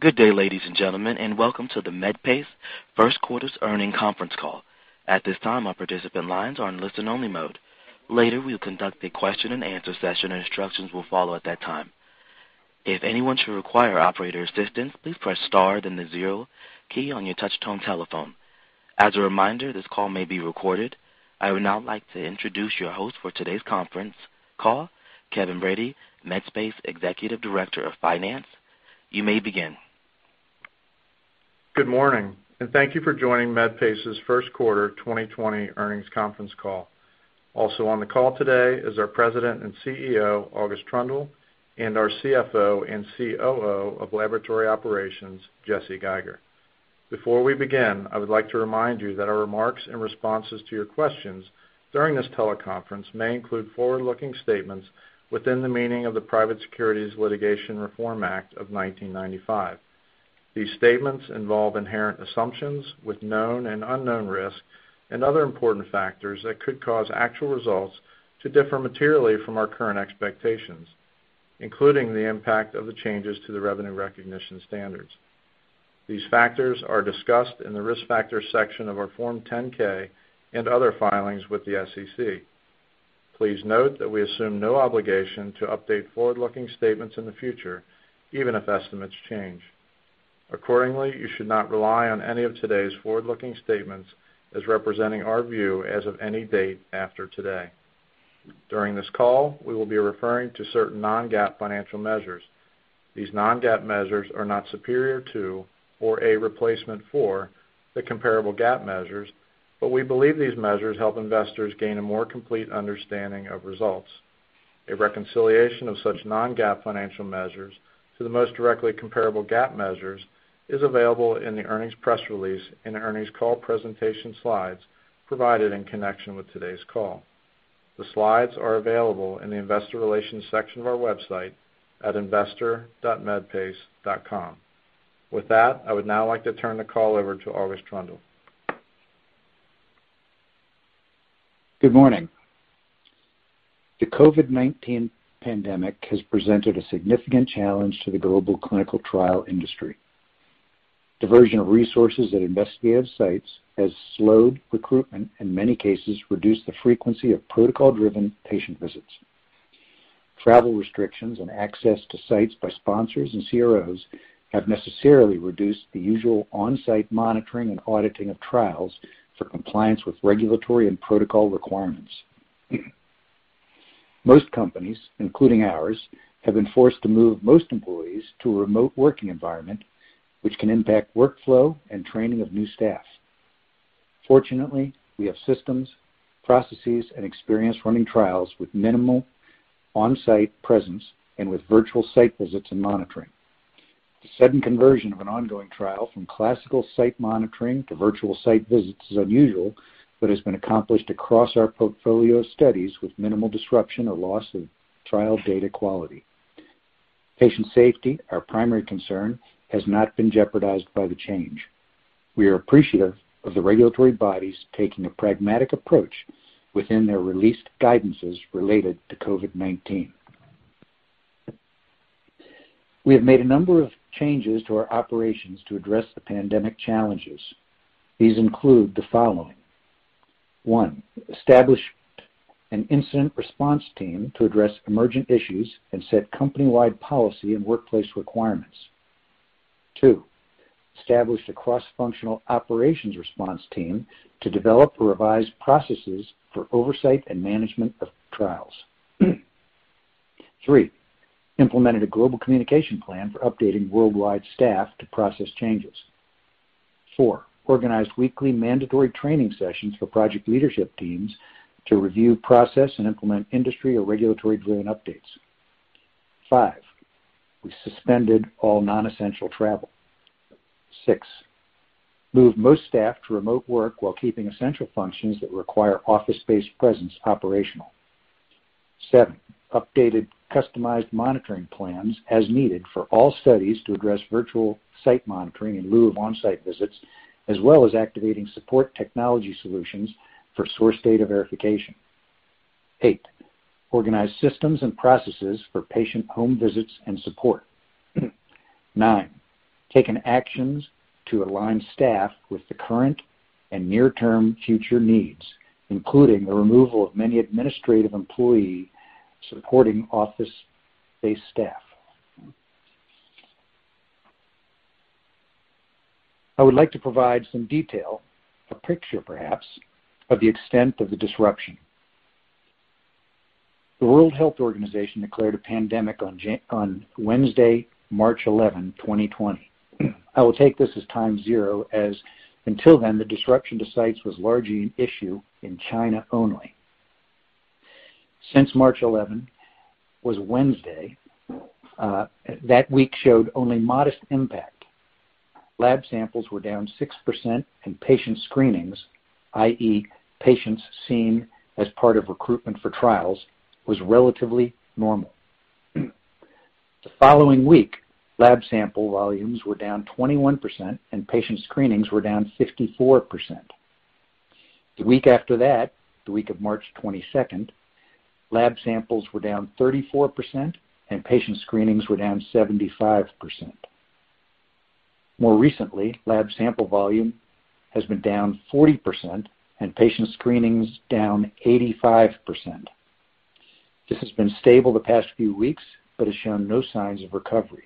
Good day, ladies and gentlemen, and welcome to the Medpace first quarter earnings conference call. At this time, our participant lines are in listen-only mode. Later, we will conduct a question and answer session, and instructions will follow at that time. If anyone should require operator assistance, please press star then the zero key on your touch-tone telephone. As a reminder, this call may be recorded. I would now like to introduce your host for today's conference call, Kevin Brady, Medpace Executive Director of Finance. You may begin. Good morning, and thank you for joining Medpace's first quarter 2020 earnings conference call. Also on the call today is our President and CEO, August Troendle, and our CFO and COO of Laboratory Operations, Jesse Geiger. Before we begin, I would like to remind you that our remarks and responses to your questions during this teleconference may include forward-looking statements within the meaning of the Private Securities Litigation Reform Act of 1995. These statements involve inherent assumptions with known and unknown risks, and other important factors that could cause actual results to differ materially from our current expectations, including the impact of the changes to the revenue recognition standards. These factors are discussed in the Risk Factors section of our Form 10-K and other filings with the SEC. Please note that we assume no obligation to update forward-looking statements in the future, even if estimates change. Accordingly, you should not rely on any of today's forward-looking statements as representing our view as of any date after today. During this call, we will be referring to certain non-GAAP financial measures. These non-GAAP measures are not superior to or a replacement for the comparable GAAP measures, but we believe these measures help investors gain a more complete understanding of results. A reconciliation of such non-GAAP financial measures to the most directly comparable GAAP measures is available in the earnings press release and the earnings call presentation slides provided in connection with today's call. The slides are available in the investor relations section of our website at investor.medpace.com. With that, I would now like to turn the call over to August Troendle. Good morning. The COVID-19 pandemic has presented a significant challenge to the global clinical trial industry. Diversion of resources at investigative sites has slowed recruitment, in many cases, reduced the frequency of protocol-driven patient visits. Travel restrictions and access to sites by sponsors and CROs have necessarily reduced the usual on-site monitoring and auditing of trials for compliance with regulatory and protocol requirements. Most companies, including ours, have been forced to move most employees to a remote working environment, which can impact workflow and training of new staff. Fortunately, we have systems, processes, and experience running trials with minimal on-site presence and with virtual site visits and monitoring. The sudden conversion of an ongoing trial from classical site monitoring to virtual site visits is unusual, but has been accomplished across our portfolio of studies with minimal disruption or loss of trial data quality. Patient safety, our primary concern, has not been jeopardized by the change. We are appreciative of the regulatory bodies taking a pragmatic approach within their released guidances related to COVID-19. We have made a number of changes to our operations to address the pandemic challenges. These include the following. One, established an incident response team to address emergent issues and set company-wide policy and workplace requirements. Two, established a cross-functional operations response team to develop or revise processes for oversight and management of trials. Three, implemented a global communication plan for updating worldwide staff to process changes. Four, organized weekly mandatory training sessions for project leadership teams to review, process, and implement industry or regulatory-driven updates. Five, we suspended all non-essential travel. Six, moved most staff to remote work while keeping essential functions that require office space presence operational. Seen, updated customized monitoring plans as needed for all studies to address virtual site monitoring in lieu of on-site visits, as well as activating support technology solutions for source data verification. Eight, organized systems and processes for patient home visits and support. Nine, taken actions to align staff with the current and near-term future needs, including the removal of many administrative employee supporting office-based staff. I would like to provide some detail, a picture perhaps, of the extent of the disruption. The World Health Organization declared a pandemic on Wednesday, March 11, 2020. I will take this as time zero, as until then, the disruption to sites was largely an issue in China only. Since March 11 was a Wednesday, that week showed only modest impact. Lab samples were down 6% and patient screenings, i.e., patients seen as part of recruitment for trials, was relatively normal. The following week, lab sample volumes were down 21% and patient screenings were down 54%. The week after that, the week of March 22nd, lab samples were down 34% and patient screenings were down 75%. More recently, lab sample volume has been down 40% and patient screenings down 85%. This has been stable the past few weeks but has shown no signs of recovery.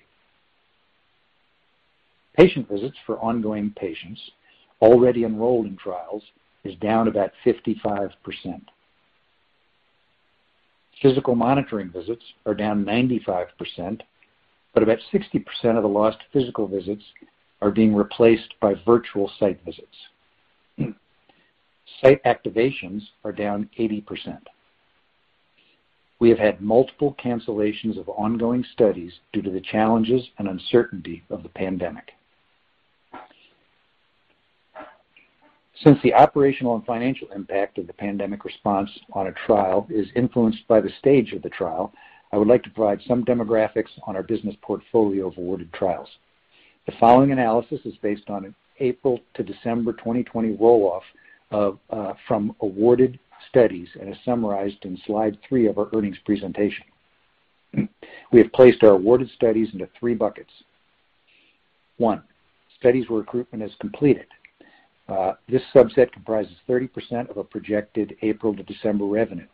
Patient visits for ongoing patients already enrolled in trials is down about 55%. Physical monitoring visits are down 95%, but about 60% of the lost physical visits are being replaced by virtual site visits. Site activations are down 80%. We have had multiple cancellations of ongoing studies due to the challenges and uncertainty of the pandemic. Since the operational and financial impact of the pandemic response on a trial is influenced by the stage of the trial, I would like to provide some demographics on our business portfolio of awarded trials. The following analysis is based on an April to December 2020 roll-off from awarded studies and is summarized in slide three of our earnings presentation. We have placed our awarded studies into 3 buckets. 1, studies where recruitment is completed. This subset comprises 30% of a projected April to December revenue.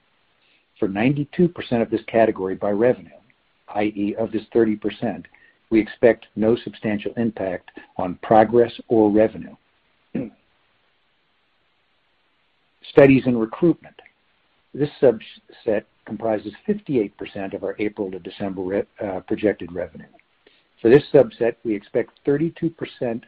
For 92% of this category by revenue, i.e., of this 30%, we expect no substantial impact on progress or revenue. Studies in recruitment. This subset comprises 58% of our April to December projected revenue. For this subset, we expect 32%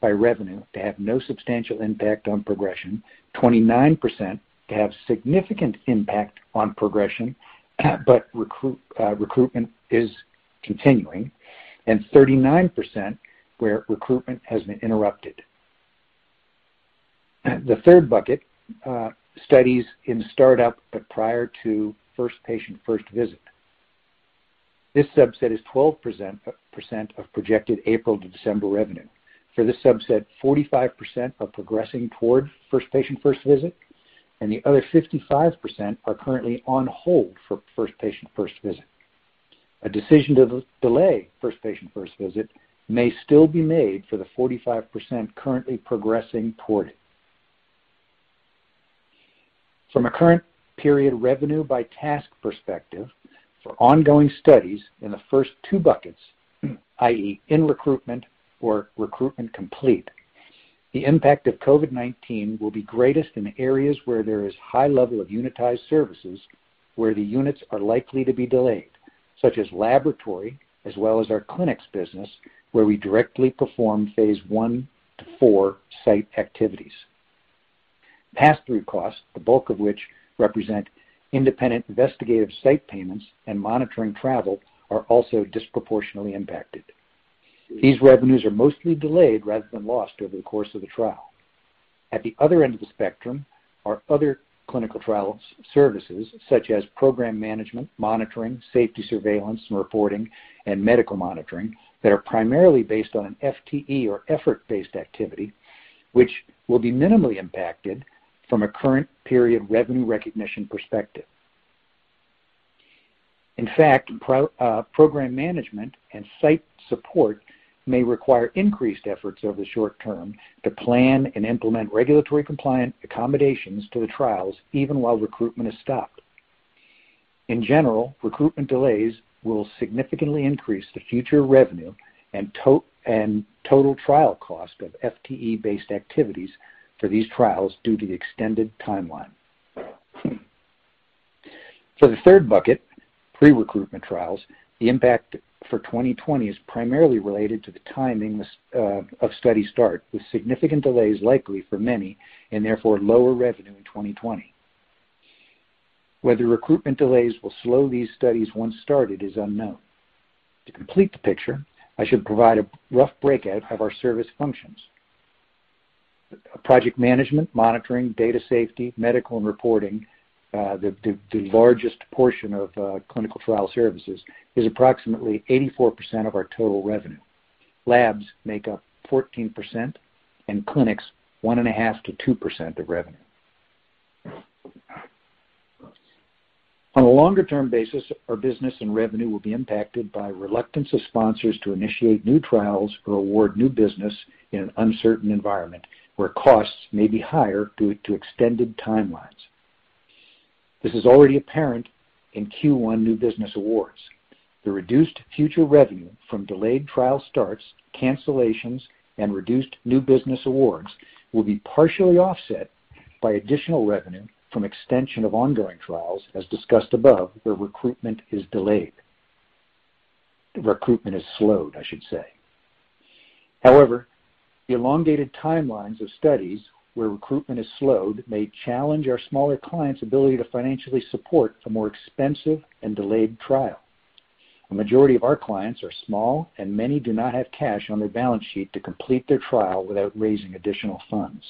by revenue to have no substantial impact on progression, 29% to have significant impact on progression, but recruitment is continuing, and 39% where recruitment has been interrupted. The third bucket, studies in start-up but prior to first patient first visit. This subset is 12% of projected April to December revenue. For this subset, 45% are progressing toward first patient first visit, and the other 55% are currently on hold for first patient first visit. A decision to delay first patient first visit may still be made for the 45% currently progressing toward it. From a current period revenue by task perspective for ongoing studies in the first two buckets, i.e., in recruitment or recruitment complete, the impact of COVID-19 will be greatest in areas where there is high level of unitized services where the units are likely to be delayed, such as laboratory as well as our clinics business where we directly perform phase I-IV site activities. Pass-through costs, the bulk of which represent independent investigative site payments and monitoring travel, are also disproportionately impacted. These revenues are mostly delayed rather than lost over the course of the trial. At the other end of the spectrum are other clinical trial services such as program management, monitoring, safety surveillance and reporting, and medical monitoring that are primarily based on an FTE or effort-based activity which will be minimally impacted from a current period revenue recognition perspective. In fact, program management and site support may require increased efforts over the short term to plan and implement regulatory compliant accommodations to the trials even while recruitment is stopped. In general, recruitment delays will significantly increase the future revenue and total trial cost of FTE-based activities for these trials due to the extended timeline. For the third bucket, pre-recruitment trials, the impact for 2020 is primarily related to the timing of study start, with significant delays likely for many and therefore lower revenue in 2020. Whether recruitment delays will slow these studies once started is unknown. To complete the picture, I should provide a rough breakout of our service functions. Project management, monitoring, data safety, medical and reporting, the largest portion of clinical trial services, is approximately 84% of our total revenue. Labs make up 14%, and clinics 1.5%-2% of revenue. On a longer-term basis, our business and revenue will be impacted by reluctance of sponsors to initiate new trials or award new business in an uncertain environment where costs may be higher due to extended timelines. This is already apparent in Q1 new business awards. The reduced future revenue from delayed trial starts, cancellations, and reduced new business awards will be partially offset by additional revenue from extension of ongoing trials, as discussed above, where recruitment is delayed. Recruitment has slowed, I should say. However, the elongated timelines of studies where recruitment has slowed may challenge our smaller clients' ability to financially support a more expensive and delayed trial. A majority of our clients are small and many do not have cash on their balance sheet to complete their trial without raising additional funds.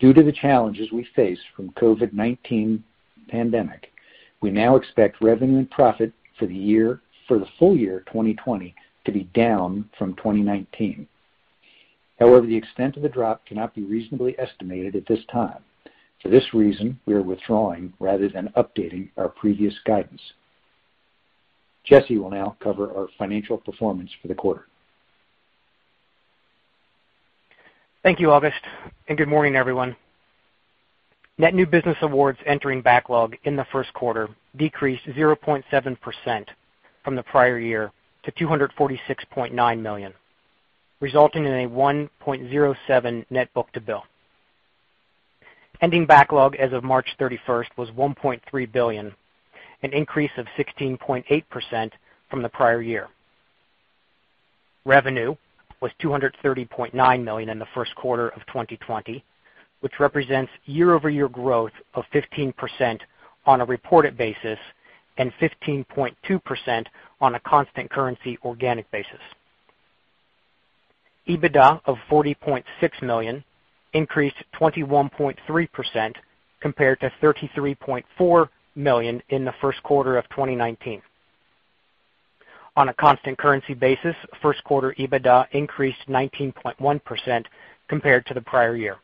Due to the challenges we face from COVID-19 pandemic. We now expect revenue and profit for the full year 2020 to be down from 2019. The extent of the drop cannot be reasonably estimated at this time. For this reason, we are withdrawing rather than updating our previous guidance. Jesse will now cover our financial performance for the quarter. Thank you, August. Good morning, everyone. Net new business awards entering backlog in the first quarter decreased 0.7% from the prior year to $246.9 million, resulting in a 1.07 net book-to-bill. Ending backlog as of March 31st was $1.3 billion, an increase of 16.8% from the prior year. Revenue was $230.9 million in the first quarter of 2020, which represents year-over-year growth of 15% on a reported basis and 15.2% on a constant currency organic basis. EBITDA of $40.6 million increased 21.3% compared to $33.4 million in the first quarter of 2019. On a constant currency basis, first quarter EBITDA increased 19.1% compared to the prior year.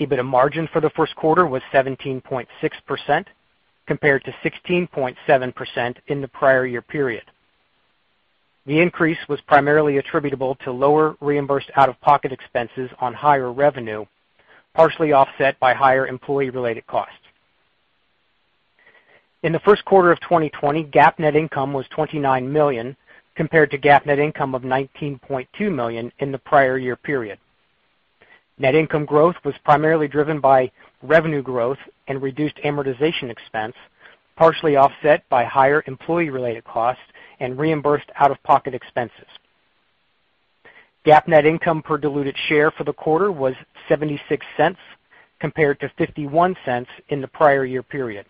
EBITDA margin for the first quarter was 17.6%, compared to 16.7% in the prior year period. The increase was primarily attributable to lower reimbursed out-of-pocket expenses on higher revenue, partially offset by higher employee-related costs. In the first quarter of 2020, GAAP net income was $29 million, compared to GAAP net income of $19.2 million in the prior year period. Net income growth was primarily driven by revenue growth and reduced amortization expense, partially offset by higher employee-related costs and reimbursed out-of-pocket expenses. GAAP net income per diluted share for the quarter was $0.76, compared to $0.51 in the prior year period.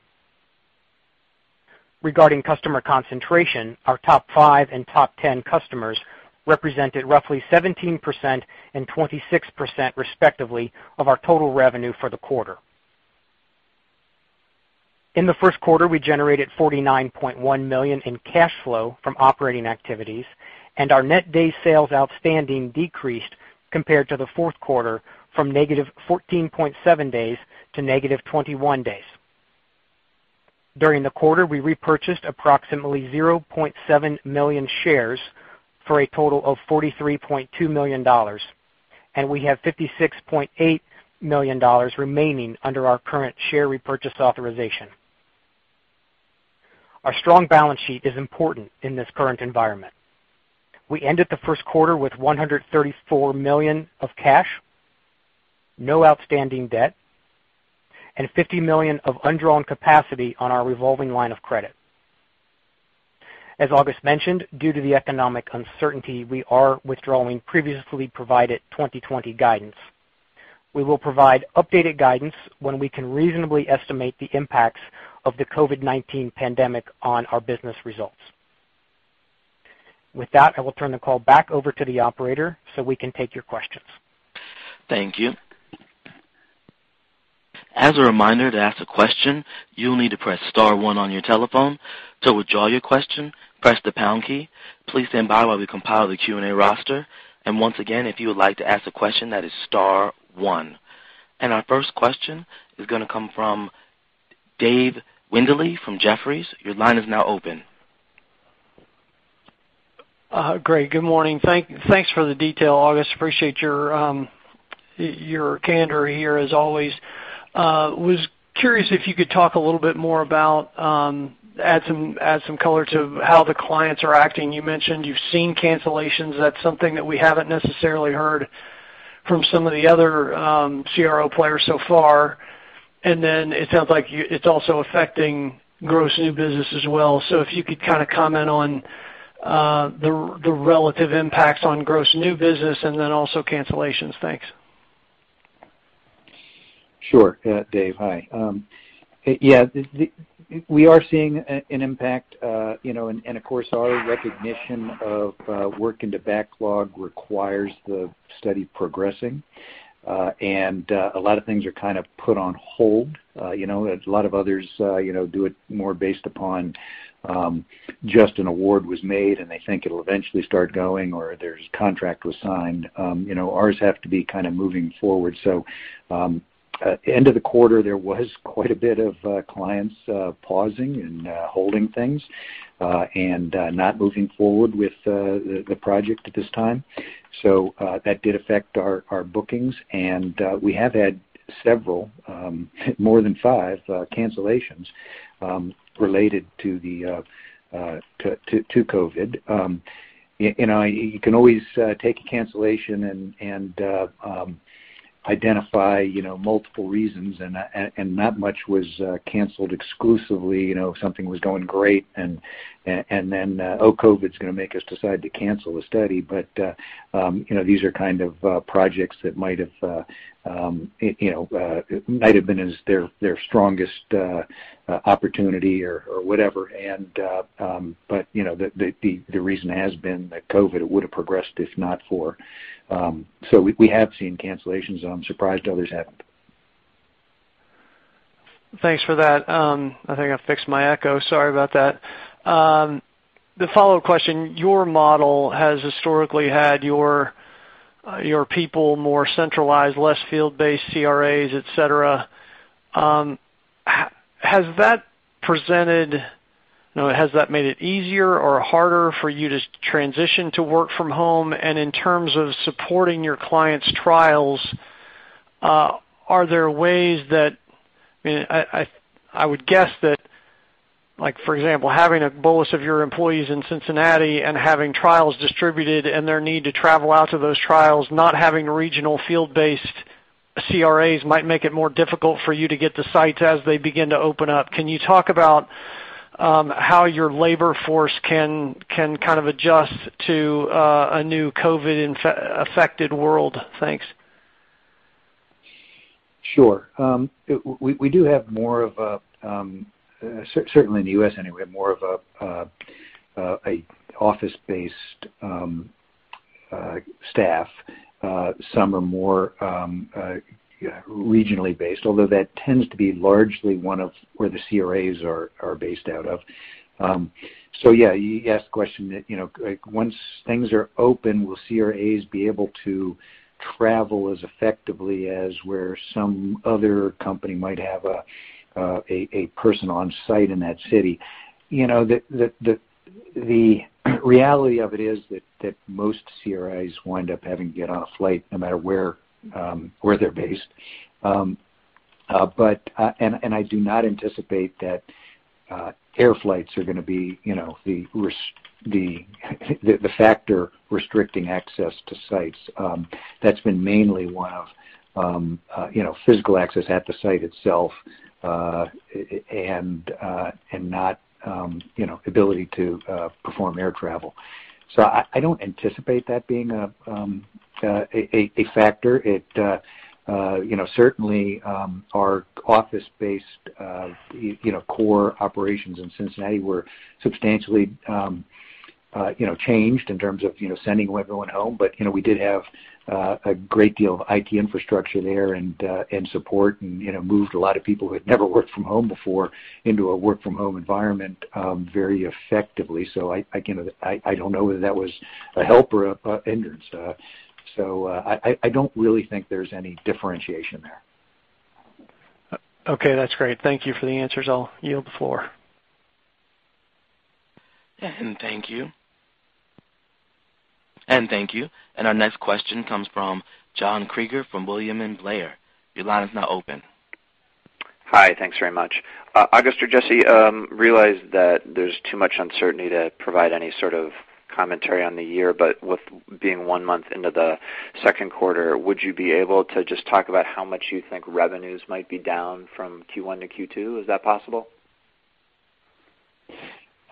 Regarding customer concentration, our top five and top 10 customers represented roughly 17% and 26%, respectively, of our total revenue for the quarter. In the first quarter, we generated $49.1 million in cash flow from operating activities, and our net days sales outstanding decreased compared to the fourth quarter from -14.7 days to -21 days. During the quarter, we repurchased approximately 0.7 million shares for a total of $43.2 million. We have $56.8 million remaining under our current share repurchase authorization. Our strong balance sheet is important in this current environment. We ended the first quarter with $134 million of cash, no outstanding debt, and $50 million of undrawn capacity on our revolving line of credit. As August mentioned, due to the economic uncertainty, we are withdrawing previously provided 2020 guidance. We will provide updated guidance when we can reasonably estimate the impacts of the COVID-19 pandemic on our business results. With that, I will turn the call back over to the operator so we can take your questions. Thank you. As a reminder, to ask a question, you'll need to press star one on your telephone. To withdraw your question, press the pound key. Please stand by while we compile the Q&A roster. Once again, if you would like to ask a question, that is star one. Our first question is going to come from Dave Windley from Jefferies. Your line is now open. Great. Good morning. Thanks for the detail, August. Appreciate your candor here, as always. Was curious if you could talk a little bit more about, add some color to how the clients are acting. You mentioned you've seen cancellations. That's something that we haven't necessarily heard from some of the other CRO players so far. It sounds like it's also affecting gross new business as well. If you could comment on the relative impacts on gross new business and then also cancellations. Thanks. Sure. Dave, hi. Yeah, we are seeing an impact, of course, our recognition of work into backlog requires the study progressing. A lot of things are put on hold. A lot of others do it more based upon just an award was made, and they think it'll eventually start going, or there's contract was signed. Ours have to be moving forward. End of the quarter, there was quite a bit of clients pausing and holding things and not moving forward with the project at this time. That did affect our bookings, and we have had several, more than five, cancellations related to COVID. You can always take a cancellation and identify multiple reasons, and not much was canceled exclusively. Something was going great and then, oh, COVID's going to make us decide to cancel a study. These are projects that might have been as their strongest opportunity or whatever. The reason has been that COVID, it would have progressed if not for. We have seen cancellations. I'm surprised others haven't. Thanks for that. I think I fixed my echo. Sorry about that. The follow-up question, your model has historically had your people more centralized, less field-based CRAs, et cetera. Has that made it easier or harder for you to transition to work from home? In terms of supporting your clients' trials, I would guess that, for example, having a bolus of your employees in Cincinnati and having trials distributed and their need to travel out to those trials, not having regional field-based CRAs might make it more difficult for you to get the sites as they begin to open up. Can you talk about how your labor force can adjust to a new COVID-affected world? Thanks. Sure. We do have more of, certainly in the U.S. anyway, more of an office-based staff. Some are more regionally based, although that tends to be largely one of where the CRAs are based out of. Yeah, you asked the question that, once things are open, will CRAs be able to travel as effectively as where some other company might have a person on site in that city? The reality of it is that most CRAs wind up having to get on a flight no matter where they're based. I do not anticipate that air flights are going to be the factor restricting access to sites. That's been mainly one of physical access at the site itself and not ability to perform air travel. I don't anticipate that being a factor. Certainly our office-based core operations in Cincinnati were substantially changed in terms of sending everyone home. We did have a great deal of IT infrastructure there and support and moved a lot of people who had never worked from home before into a work from home environment very effectively. I don't know whether that was a help or a hindrance. I don't really think there's any differentiation there. Okay. That's great. Thank you for the answers. I'll yield the floor. Thank you. Our next question comes from John Kreger from William Blair. Your line is now open. Hi. Thanks very much. August or Jesse, realize that there's too much uncertainty to provide any sort of commentary on the year, but with being one month into the second quarter, would you be able to just talk about how much you think revenues might be down from Q1-Q2? Is that possible?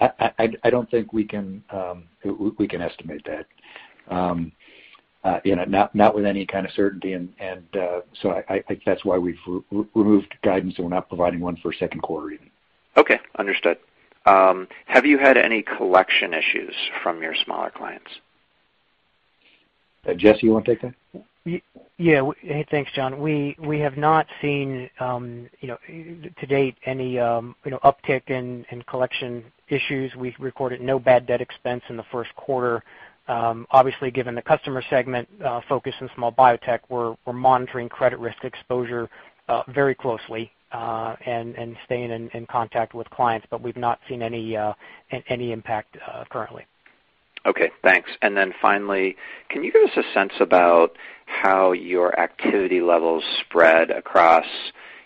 I don't think we can estimate that. Not with any kind of certainty. I think that's why we've removed guidance. We're not providing one for second quarter even. Okay, understood. Have you had any collection issues from your smaller clients? Jesse, you want to take that? Yeah. Thanks, John. We have not seen, to date, any uptick in collection issues. We recorded no bad debt expense in the first quarter. Given the customer segment focus in small biotech, we're monitoring credit risk exposure very closely and staying in contact with clients, but we've not seen any impact currently. Okay, thanks. Finally, can you give us a sense about how your activity levels spread across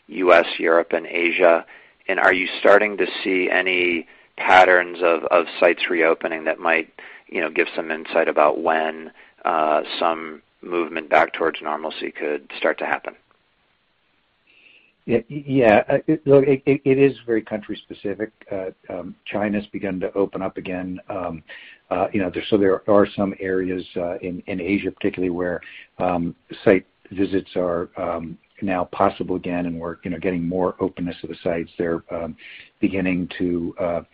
U.S., Europe, and Asia? Are you starting to see any patterns of sites reopening that might give some insight about when some movement back towards normalcy could start to happen? Yeah. Look, it is very country specific. China's begun to open up again. There are some areas in Asia particularly where site visits are now possible again, and we're getting more openness of the sites there, beginning to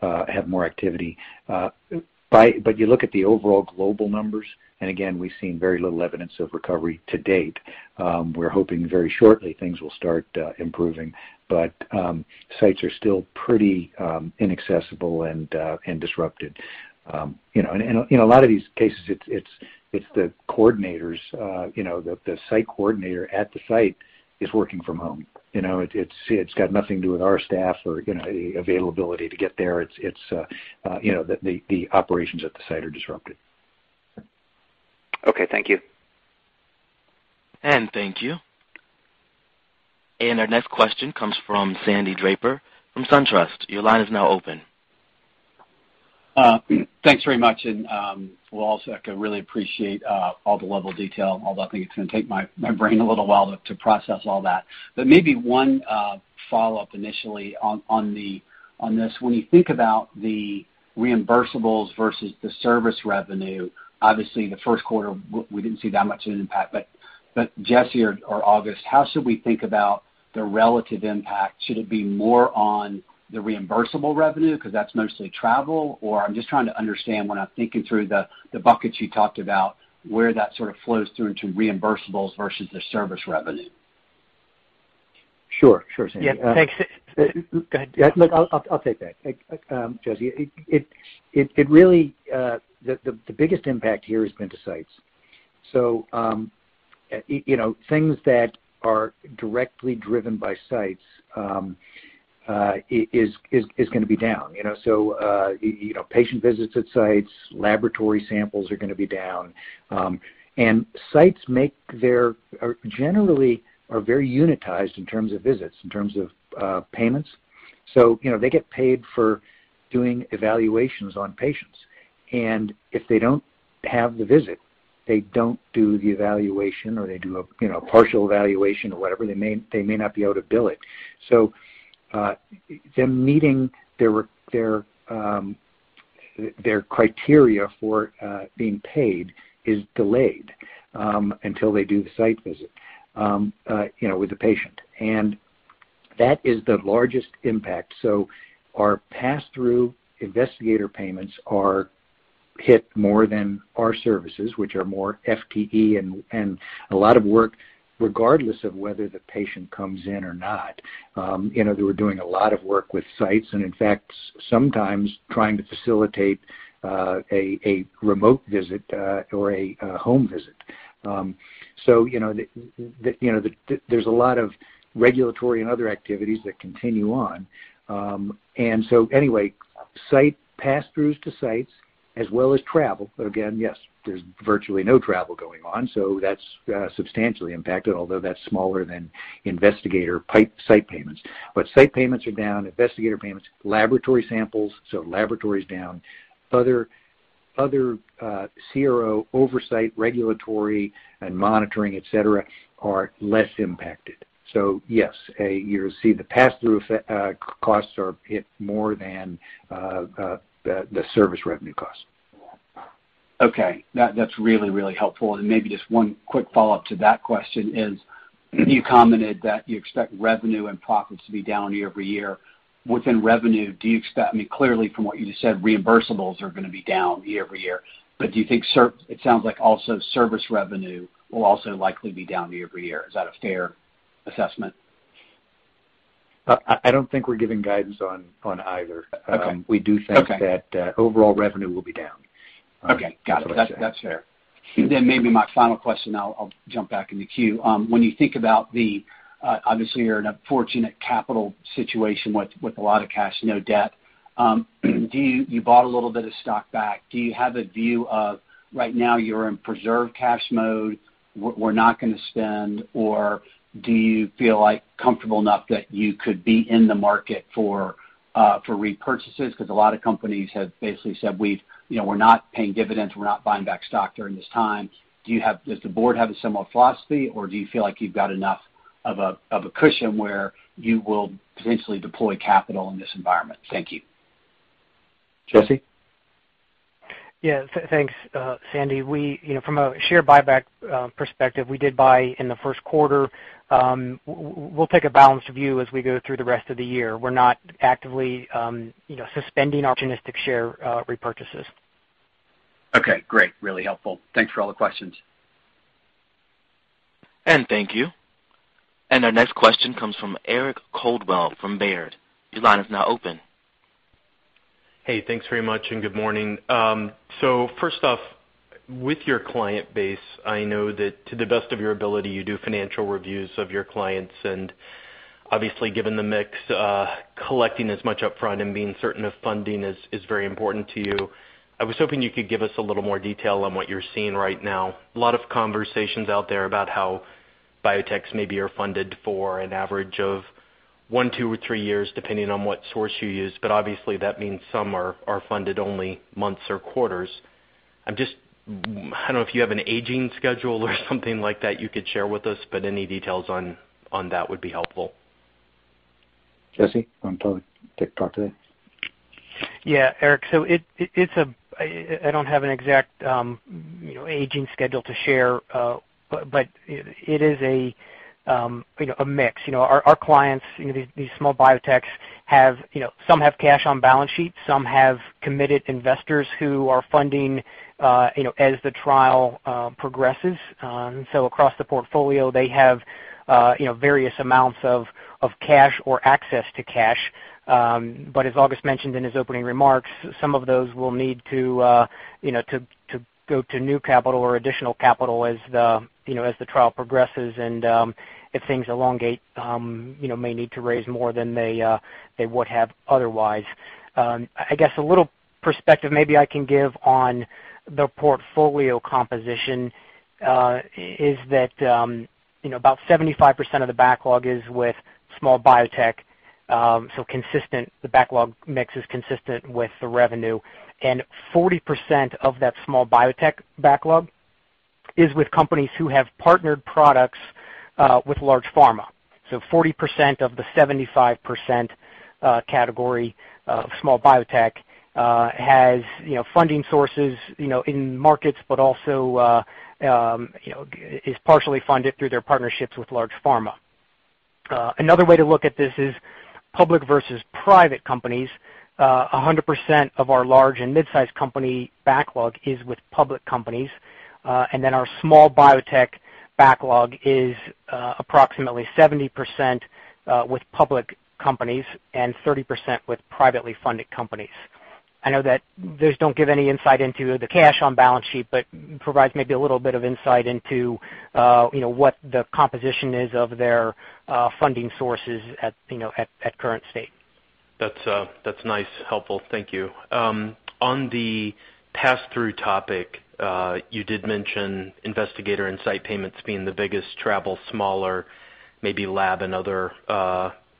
have more activity. You look at the overall global numbers, and again, we've seen very little evidence of recovery to date. We're hoping very shortly things will start improving, but sites are still pretty inaccessible and disrupted. In a lot of these cases, it's the coordinators, the site coordinator at the site is working from home. It's got nothing to do with our staff or the availability to get there. It's the operations at the site are disrupted. Okay. Thank you. Thank you. Our next question comes from Sandy Draper from SunTrust. Your line is now open. Thanks very much, and we'll also really appreciate all the level of detail, although I think it's going to take my brain a little while to process all that. Maybe one follow-up initially on this. When you think about the reimbursables versus the service revenue, obviously the first quarter, we didn't see that much of an impact. Jesse or August, how should we think about the relative impact? Should it be more on the reimbursable revenue because that's mostly travel? I'm just trying to understand when I'm thinking through the buckets you talked about, where that sort of flows through into reimbursables versus the service revenue. Sure, Sandy. Yeah, thanks. Go ahead. I'll take that, Jesse. Things that are directly driven by sites is going to be down. Patient visits at sites, laboratory samples are going to be down. Sites generally are very unitized in terms of visits, in terms of payments. They get paid for doing evaluations on patients. If they don't have the visit, they don't do the evaluation, or they do a partial evaluation or whatever. They may not be able to bill it. Them meeting their criteria for being paid is delayed until they do the site visit with the patient. That is the largest impact. Our passthrough investigator payments are hit more than our services, which are more FTE and a lot of work regardless of whether the patient comes in or not. They were doing a lot of work with sites and, in fact, sometimes trying to facilitate a remote visit or a home visit. There's a lot of regulatory and other activities that continue on. Anyway, pass-throughs to sites as well as travel. Again, yes, there's virtually no travel going on, so that's substantially impacted, although that's smaller than investigator site payments. Site payments are down, investigator payments, laboratory samples, so laboratory's down. Other CRO oversight, regulatory and monitoring, et cetera, are less impacted. Yes, you'll see the pass-through costs are hit more than the service revenue costs. Okay. That's really helpful. Maybe just one quick follow-up to that question is, you commented that you expect revenue and profits to be down year-over-year. Within revenue, clearly from what you just said, reimbursables are going to be down year-over-year. It sounds like also service revenue will also likely be down year-over-year. Is that a fair assessment? I don't think we're giving guidance on either. Okay. We do think that overall revenue will be down. Okay. Got it. That's fair. Maybe my final question, I'll jump back in the queue. Obviously, you're in a fortunate capital situation with a lot of cash, no debt. You bought a little bit of stock back. Do you have a view of right now you're in preserve cash mode, we're not going to spend? Do you feel comfortable enough that you could be in the market for repurchases? Because a lot of companies have basically said, "We're not paying dividends. We're not buying back stock during this time." Does the board have a similar philosophy, or do you feel like you've got enough of a cushion where you will potentially deploy capital in this environment? Thank you. Jesse? Yeah. Thanks, Sandy. From a share buyback perspective, we did buy in the first quarter. We'll take a balanced view as we go through the rest of the year. We're not actively suspending opportunistic share repurchases. Okay, great. Really helpful. Thanks for all the questions. Thank you. Our next question comes from Eric Coldwell from Baird. Your line is now open. Hey, thanks very much, and good morning. First off, with your client base, I know that to the best of your ability, you do financial reviews of your clients, and obviously, given the mix, collecting as much upfront and being certain of funding is very important to you. I was hoping you could give us a little more detail on what you're seeing right now. A lot of conversations out there about how biotechs maybe are funded for an average of one, two, or three years, depending on what source you use. Obviously, that means some are funded only months or quarters. I don't know if you have an aging schedule or something like that you could share with us, but any details on that would be helpful. Jesse, you want to take a crack at it? Yeah, Eric. I don't have an exact aging schedule to share, but it is a mix. Our clients, these small biotechs, some have cash on balance sheets, some have committed investors who are funding as the trial progresses. Across the portfolio, they have various amounts of cash or access to cash. As August mentioned in his opening remarks, some of those will need to go to new capital or additional capital as the trial progresses and if things elongate, may need to raise more than they would have otherwise. I guess a little perspective maybe I can give on the portfolio composition, is that about 75% of the backlog is with small biotech. The backlog mix is consistent with the revenue, and 40% of that small biotech backlog is with companies who have partnered products with large pharma. 40% of the 75% category of small biotech has funding sources in markets, but also is partially funded through their partnerships with large pharma. Another way to look at this is, Public versus private companies, 100% of our large and mid-size company backlog is with public companies. Our small biotech backlog is approximately 70% with public companies and 30% with privately funded companies. I know that those don't give any insight into the cash on balance sheet, but provides maybe a little bit of insight into what the composition is of their funding sources at current state. That's nice. Helpful. Thank you. On the pass-through topic, you did mention investigator and site payments being the biggest, travel smaller, maybe lab and other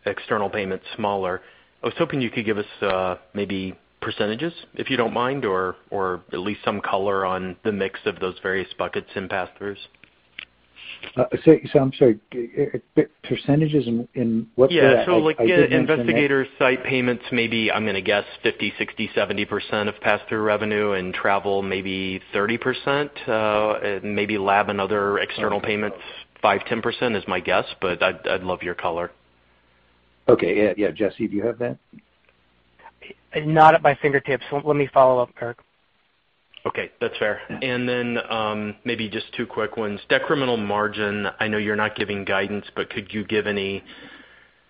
external payments smaller. I was hoping you could give us maybe percentages, if you don't mind, or at least some color on the mix of those various buckets in pass-throughs. I'm sorry, percentages in what sort of? Yeah. Like investigators, site payments, maybe, I'm going to guess 50%, 60%, 70% of pass-through revenue and travel maybe 30%, maybe lab and other external payments 5%, 10% is my guess, but I'd love your color. Okay. Yeah, Jesse, do you have that? Not at my fingertips. Let me follow up, Eric. Okay. That's fair. Maybe just two quick ones. Decremental margin, I know you're not giving guidance, but could you give any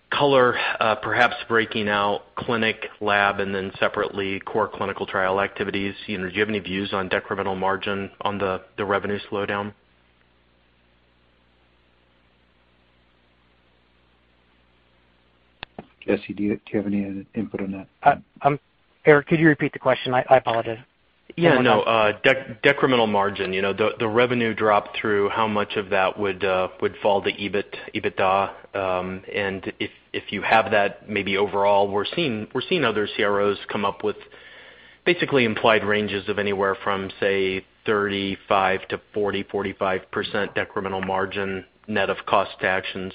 color, perhaps breaking out clinic, lab, and then separately core clinical trial activities? Do you have any views on decremental margin on the revenue slowdown? Jesse, do you have any input on that? Eric, could you repeat the question? I apologize. No. Decremental margin. The revenue drop through, how much of that would fall to EBITDA? If you have that, maybe overall, we're seeing other CROs come up with basically implied ranges of anywhere from, say, 35%-40%, 45% decremental margin net of cost to action.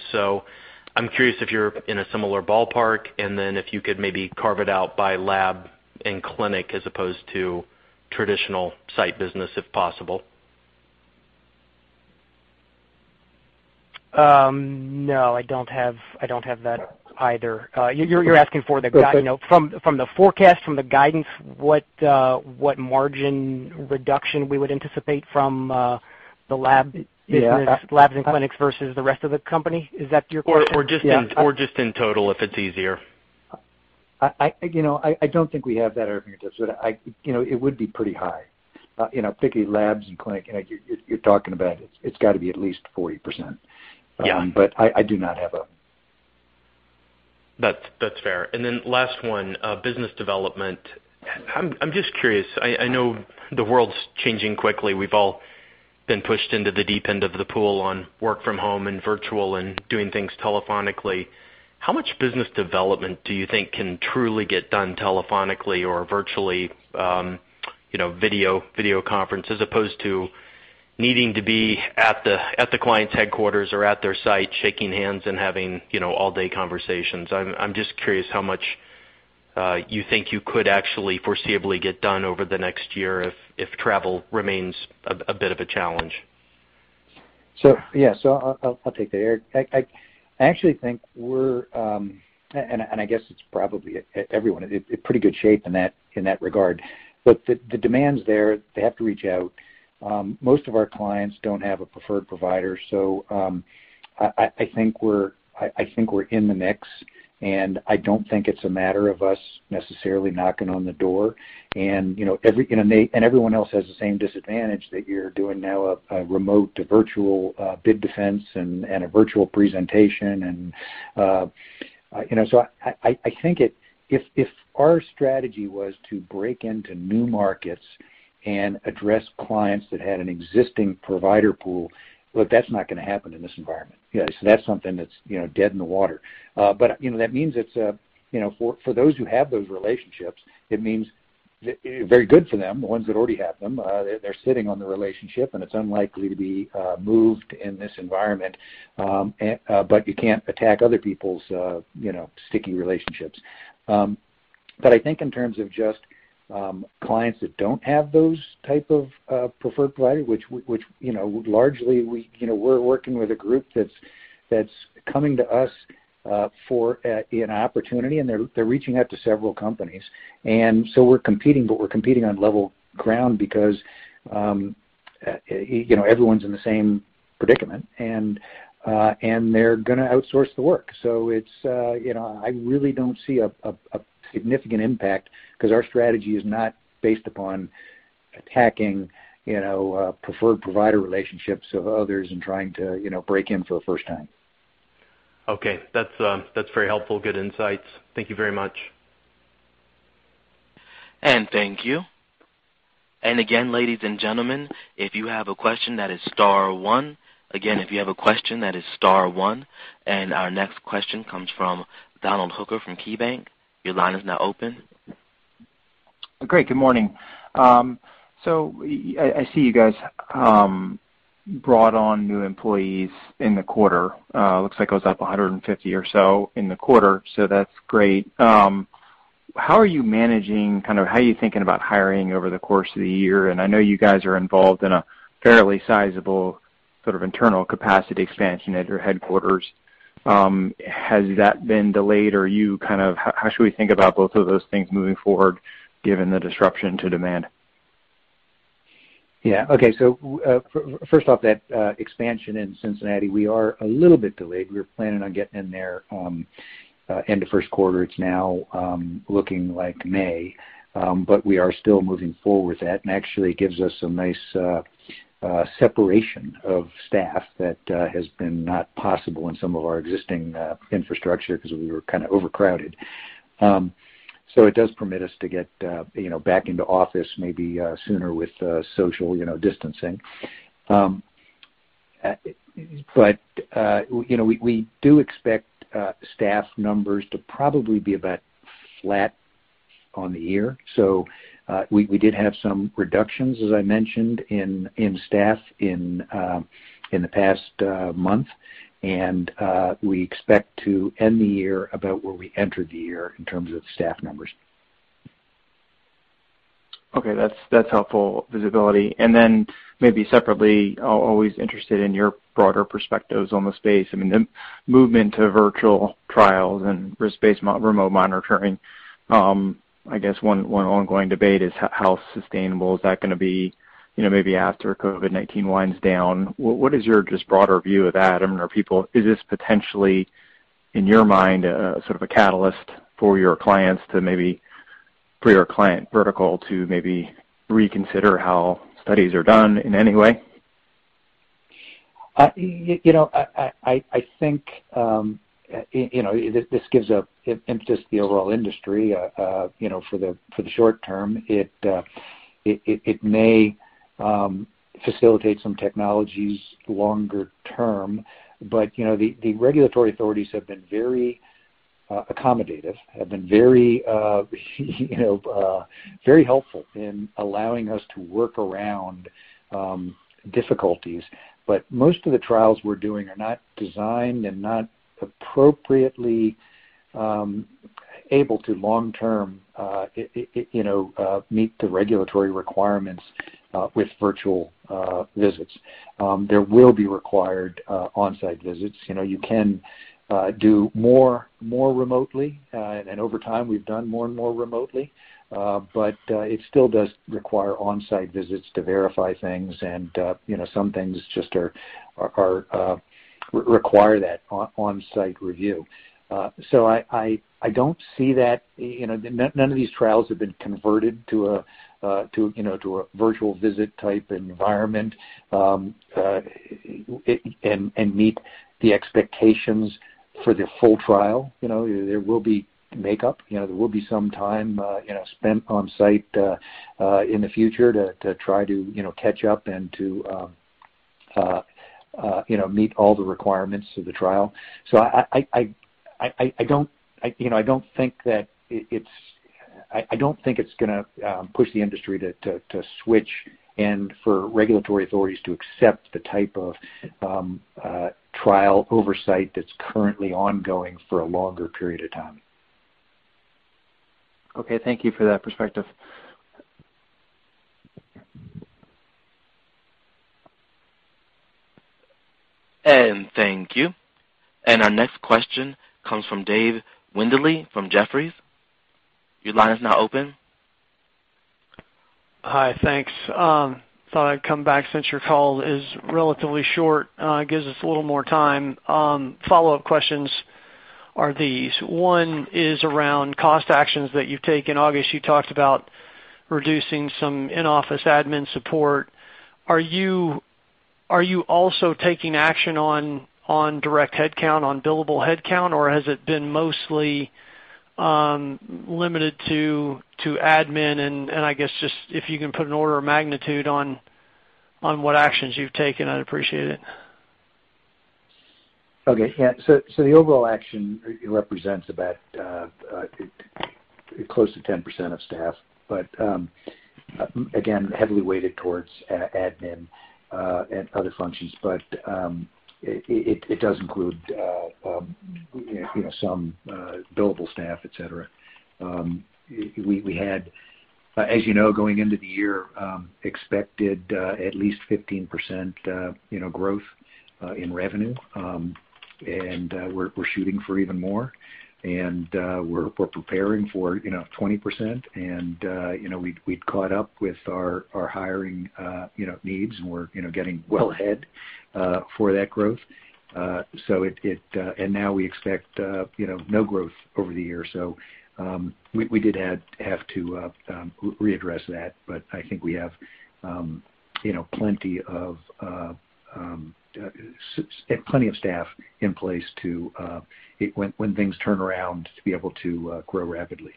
I'm curious if you're in a similar ballpark and then if you could maybe carve it out by lab and clinic as opposed to traditional site business, if possible. No, I don't have that either. You're asking for the. Okay from the forecast, from the guidance, what margin reduction we would anticipate from the lab business, labs and clinics versus the rest of the company? Is that your question? Just in total, if it's easier. I don't think we have that at our fingertips, but it would be pretty high. Thinking labs and clinic, you're talking about it's got to be at least 40%. Yeah. I do not have it. That's fair. Then last one, business development. I'm just curious, I know the world's changing quickly. We've all been pushed into the deep end of the pool on work from home and virtual and doing things telephonically. How much business development do you think can truly get done telephonically or virtually, video conference, as opposed to needing to be at the client's headquarters or at their site shaking hands and having all-day conversations? I'm just curious how much you think you could actually foreseeably get done over the next year if travel remains a bit of a challenge. Yeah. I'll take that, Eric. I actually think we're, and I guess it's probably everyone, in pretty good shape in that regard, but the demand's there. They have to reach out. Most of our clients don't have a preferred provider. I think we're in the mix, and I don't think it's a matter of us necessarily knocking on the door, and everyone else has the same disadvantage that you're doing now a remote virtual bid defense and a virtual presentation. I think if our strategy was to break into new markets and address clients that had an existing provider pool, look, that's not going to happen in this environment. That's something that's dead in the water. That means for those who have those relationships, it means very good for them, the ones that already have them. They're sitting on the relationship, and it's unlikely to be moved in this environment. You can't attack other people's sticky relationships. I think in terms of just clients that don't have those type of preferred provider, which largely we're working with a group that's coming to us for an opportunity, and they're reaching out to several companies. We're competing, but we're competing on level ground because everyone's in the same predicament and they're going to outsource the work. I really don't see a significant impact because our strategy is not based upon attacking preferred provider relationships of others and trying to break in for the first time. Okay. That's very helpful. Good insights. Thank you very much. Thank you. Again, ladies and gentlemen, if you have a question, that is star one. Again, if you have a question that is star one. Our next question comes from Donald Hooker from KeyBank. Your line is now open. Great, good morning. I see you guys brought on new employees in the quarter. Looks like it was up 150 or so in the quarter. That's great. How are you managing, how are you thinking about hiring over the course of the year? I know you guys are involved in a fairly sizable internal capacity expansion at your headquarters. Has that been delayed, or how should we think about both of those things moving forward given the disruption to demand? Yeah. Okay. First off, that expansion in Cincinnati, we are a little bit delayed. We were planning on getting in there end of first quarter. It's now looking like May, but we are still moving forward with that, and actually it gives us a nice separation of staff that has been not possible in some of our existing infrastructure because we were overcrowded. It does permit us to get back into office maybe sooner with social distancing. We do expect staff numbers to probably be about flat on the year. We did have some reductions, as I mentioned, in staff in the past month, and we expect to end the year about where we entered the year in terms of staff numbers. Okay. That's helpful visibility. Maybe separately, always interested in your broader perspectives on the space. The movement to virtual trials and risk-based remote monitoring. I guess one ongoing debate is how sustainable is that going to be, maybe after COVID-19 winds down? What is your just broader view of that? Is this potentially, in your mind, a catalyst for your clients to maybe, for your client vertical to maybe reconsider how studies are done in any way? I think, this gives an emphasis to the overall industry, for the short term. It may facilitate some technologies longer term, but the regulatory authorities have been very accommodative, have been very helpful in allowing us to work around difficulties. Most of the trials we're doing are not designed and not appropriately able to long term meet the regulatory requirements with virtual visits. There will be required on-site visits. You can do more remotely, and over time, we've done more and more remotely. It still does require on-site visits to verify things, and some things just require that on-site review. I don't see that, none of these trials have been converted to a virtual visit type environment, and meet the expectations for the whole trial. There will be makeup, there will be some time spent on site in the future to try to catch up and to meet all the requirements of the trial. I don't think it's going to push the industry to switch and for regulatory authorities to accept the type of trial oversight that's currently ongoing for a longer period of time. Okay. Thank you for that perspective. Thank you. Our next question comes from Dave Windley from Jefferies. Your line is now open. Hi. Thanks. Thought I'd come back since your call is relatively short. Gives us a little more time. Follow-up questions are these. One is around cost actions that you've taken. August, you talked about reducing some in-office admin support. Are you also taking action on direct headcount, on billable headcount, or has it been mostly limited to admin and I guess just if you can put an order of magnitude on what actions you've taken, I'd appreciate it. Okay. Yeah. The overall action represents about close to 10% of staff, but again, heavily weighted towards admin and other functions. It does include some billable staff, et cetera. We had, as you know, going into the year, expected at least 15% growth in revenue. We're shooting for even more and we're preparing for 20%, and we'd caught up with our hiring needs, and we're getting well ahead for that growth. Now we expect no growth over the year. We did have to readdress that, but I think we have plenty of staff in place to, when things turn around, to be able to grow rapidly.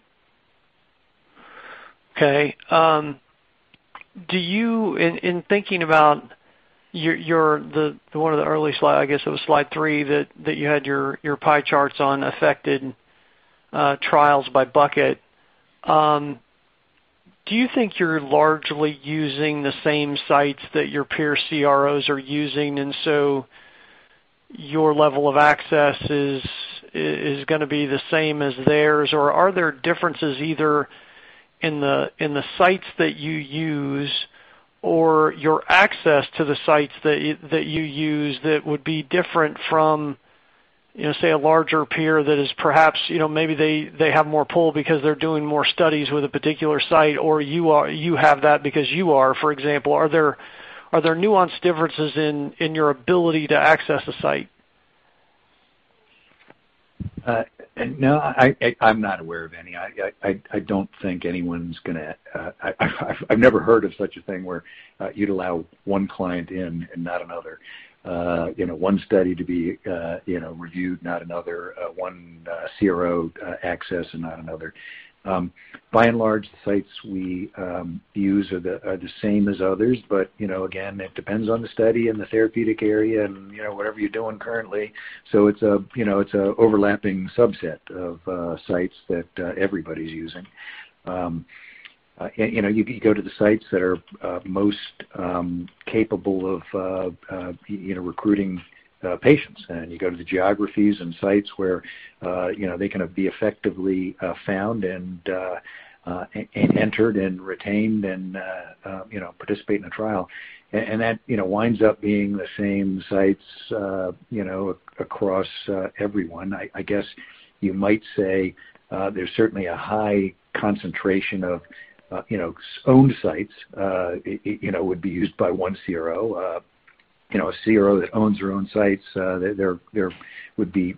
Okay. In thinking about one of the early slide, I guess it was slide three that you had your pie charts on affected trials by bucket. Do you think you're largely using the same sites that your peer CROs are using, and so your level of access is going to be the same as theirs? Or are there differences either in the sites that you use or your access to the sites that you use that would be different from, say, a larger peer that is perhaps, maybe they have more pull because they're doing more studies with a particular site, or you have that because you are, for example? Are there nuanced differences in your ability to access a site? No, I'm not aware of any. I've never heard of such a thing where you'd allow one client in and not another. One study to be reviewed, not another. One CRO access and not another. By and large, the sites we use are the same as others, but again, it depends on the study and the therapeutic area and whatever you're doing currently. It's an overlapping subset of sites that everybody's using. You could go to the sites that are most capable of recruiting patients, and you go to the geographies and sites where they can be effectively found and entered and retained and participate in a trial. That winds up being the same sites across everyone. I guess you might say there's certainly a high concentration of owned sites would be used by one CRO. A CRO that owns their own sites, they would be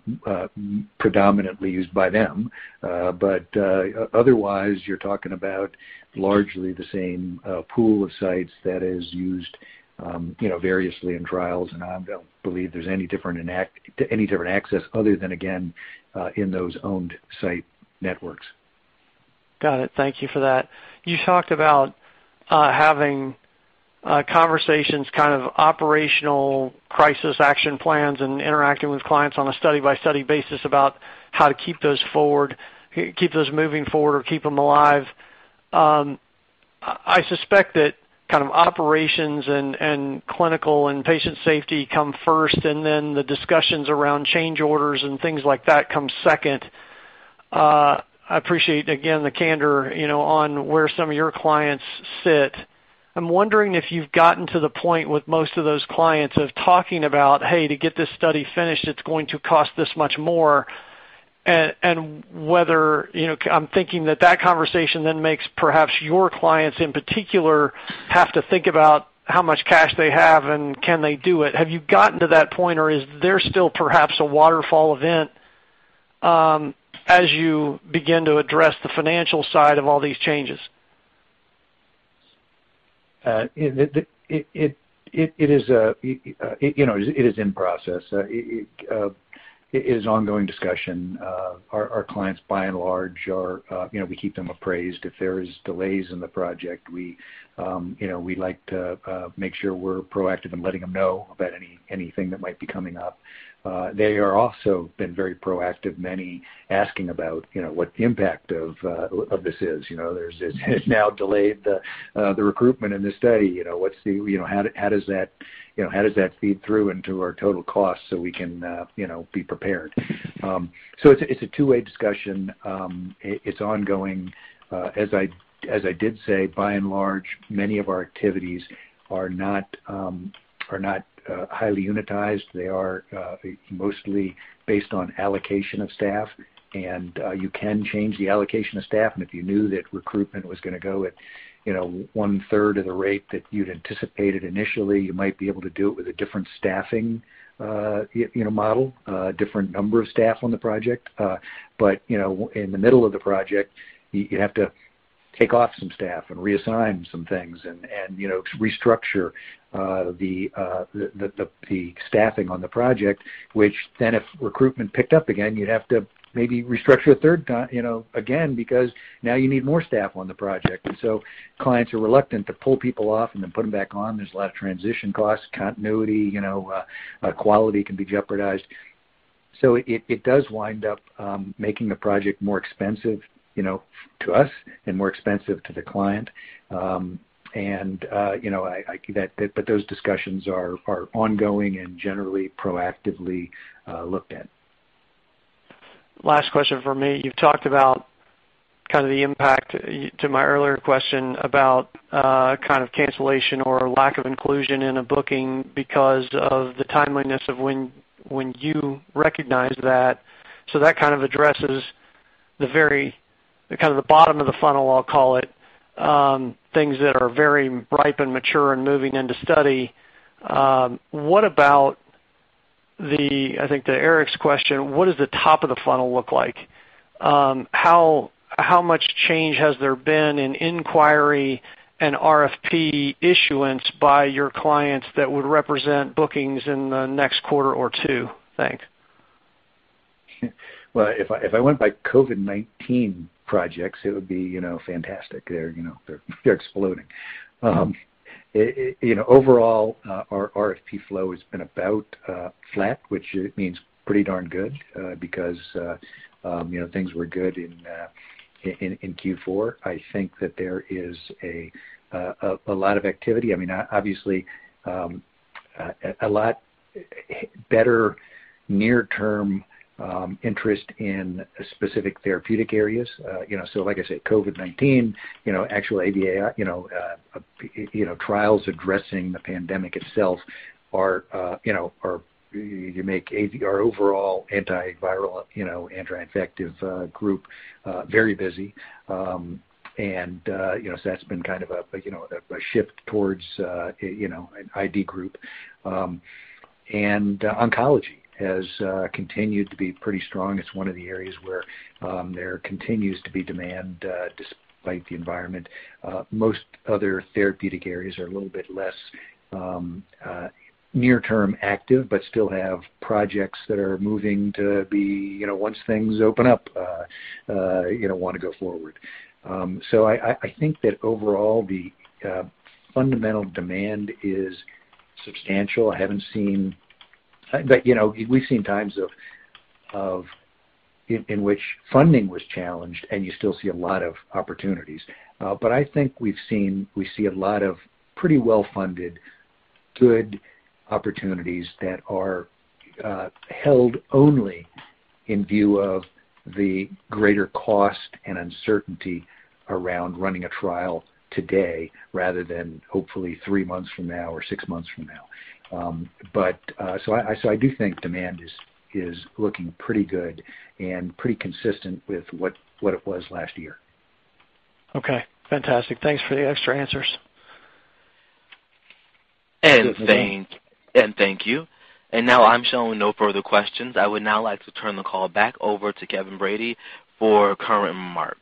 predominantly used by them. Otherwise, you're talking about largely the same pool of sites that is used variously in trials, and I don't believe there's any different access other than, again, in those owned site networks. Got it. Thank you for that. You talked about having conversations, kind of operational crisis action plans and interacting with clients on a study-by-study basis about how to keep those moving forward or keep them alive. I suspect that kind of operations and clinical and patient safety come first, and then the discussions around change orders and things like that come second. I appreciate, again, the candor on where some of your clients sit. I'm wondering if you've gotten to the point with most of those clients of talking about, "Hey, to get this study finished, it's going to cost this much more." I'm thinking that that conversation then makes perhaps your clients in particular have to think about how much cash they have and can they do it. Have you gotten to that point, or is there still perhaps a waterfall event as you begin to address the financial side of all these changes? It is in process. It is ongoing discussion. Our clients, by and large, we keep them appraised. If there is delays in the project, we like to make sure we're proactive in letting them know about anything that might be coming up. They are also been very proactive, many asking about what the impact of this is. There's this now delayed the recruitment in this study. How does that feed through into our total cost so we can be prepared? It's a two-way discussion. It's ongoing. As I did say, by and large, many of our activities are not highly unitized. They are mostly based on allocation of staff, and you can change the allocation of staff, and if you knew that recruitment was going to go at 1/3 of the rate that you'd anticipated initially, you might be able to do it with a different staffing model, a different number of staff on the project. In the middle of the project, you have to take off some staff and reassign some things and restructure the staffing on the project, which then if recruitment picked up again, you'd have to maybe restructure a third time again because now you need more staff on the project. Clients are reluctant to pull people off and then put them back on. There's a lot of transition costs, continuity, quality can be jeopardized. It does wind up making the project more expensive to us and more expensive to the client. Those discussions are ongoing and generally proactively looked at. Last question from me. You've talked about kind of the impact to my earlier question about kind of cancellation or lack of inclusion in a booking because of the timeliness of when you recognize that. That kind of addresses the very kind of the bottom of the funnel, I'll call it, things that are very ripe and mature and moving into study. What about, I think to Eric's question, what does the top of the funnel look like? How much change has there been in inquiry and RFP issuance by your clients that would represent bookings in the next quarter or two? Thanks. Well, if I went by COVID-19 projects, it would be fantastic. They're exploding. Overall, our RFP flow has been about flat, which means pretty darn good because things were good in Q4. I think that there is a lot of activity. Obviously, a lot better near-term interest in specific therapeutic areas. Like I said, COVID-19, actual ADA trials addressing the pandemic itself make our overall antiviral, anti-infective group very busy. That's been kind of a shift towards an ID group. Oncology has continued to be pretty strong. It's one of the areas where there continues to be demand despite the environment. Most other therapeutic areas are a little bit less near-term active, but still have projects that are moving to be, once things open up, want to go forward. I think that overall, the fundamental demand is substantial. We've seen times in which funding was challenged, and you still see a lot of opportunities. I think we see a lot of pretty well-funded, good opportunities that are held only in view of the greater cost and uncertainty around running a trial today rather than hopefully three months from now or six months from now. I do think demand is looking pretty good and pretty consistent with what it was last year. Okay, fantastic. Thanks for the extra answers. Thank you. Now I'm showing no further questions. I would now like to turn the call back over to Kevin Brady for current remarks.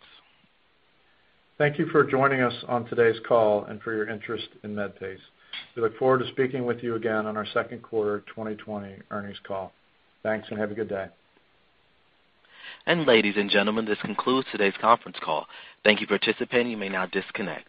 Thank you for joining us on today's call and for your interest in Medpace. We look forward to speaking with you again on our second quarter 2020 earnings call. Thanks, and have a good day. Ladies and gentlemen, this concludes today's conference call. Thank you, participant. You may now disconnect.